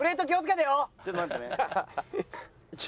ちょっと待ってね。